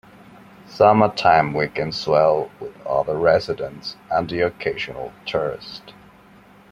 Summer time weekends swell with other residents and the occasional tourist.